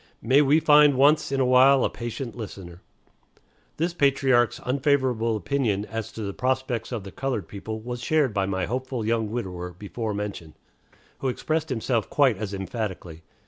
May we find once in a while a patient listener. This patriarch's unfavorable opinion as to the prospects of the colored people was shared by my hopeful young widower before mentioned, who expressed himself quite as emphatically.